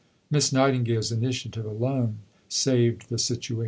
" Miss Nightingale's initiative alone saved the situation.